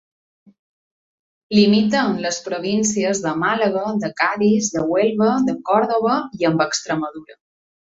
Limita amb les províncies de Màlaga, de Cadis, de Huelva, de Còrdova, i amb Extremadura.